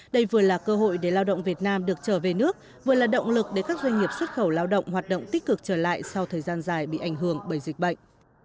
đây vừa là cơ hội để lao động việt nam được trở về nước vừa là động lực để các doanh nghiệp xuất khẩu lao động hoạt động tích cực trở lại sau thời gian dài bị ảnh hưởng bởi dịch bệnh